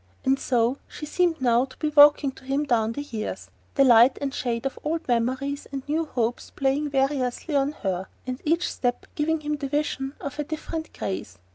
And so she seemed now to be walking to him down the years, the light and shade of old memories and new hopes playing variously on her, and each step giving him the vision of a different grace.